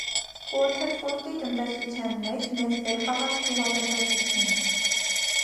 Ուոթերֆորտի տնտեսության մեջ մեծ դեր խաղաց գյուղատնտեսությունը։